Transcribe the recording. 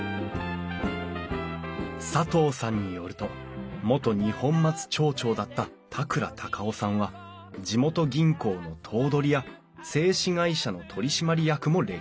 佐藤さんによると元二本松町長だった田倉孝雄さんは地元銀行の頭取や製糸会社の取締役も歴任。